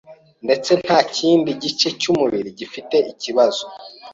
ndetse nta kindi gice cy’umubiri gifite ikibazo.